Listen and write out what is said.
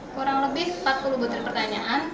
kurang lebih empat puluh butir pertanyaan